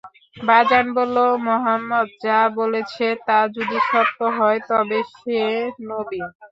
বাযান বলল, মুহাম্মদ যা বলেছে তা যদি সত্য হয় তবে সে নবী।